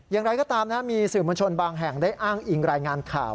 อย่างไรก็ตามนะมีสื่อมวลชนบางแห่งได้อ้างอิงรายงานข่าว